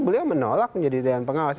beliau menolak menjadi dewan pengawas